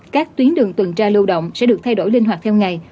các tuyến đường tuần tra lưu động sẽ được thay đổi linh hoạt theo ngày